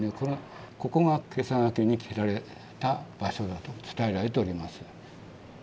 ここがけさ懸けに切られた場所だと伝えられております。